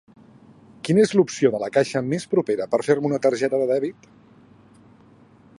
Quina és l'opció de la caixa més propera per fer-me una targeta de dèbit?